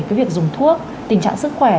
cái việc dùng thuốc tình trạng sức khỏe